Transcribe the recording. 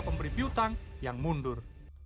pemberi piutang yang mundur